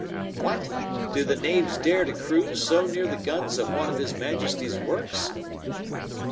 "What! do the knaves dare to cruise so near the guns of one of his Majesty's works?"